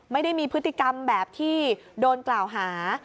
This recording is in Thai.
ไม่ได้มีพฤติกรรมแบบที่โดนกล่าวหา